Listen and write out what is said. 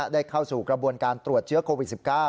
เข้าสู่กระบวนการตรวจเชื้อโควิด๑๙